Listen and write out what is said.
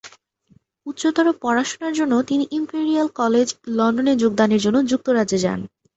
উচ্চতর পড়াশুনার জন্য তিনি ইম্পেরিয়াল কলেজ লন্ডনে যোগদানের জন্য যুক্তরাজ্যে যান।